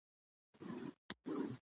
اوسپنه په کيميا کي ځانته نوم لري .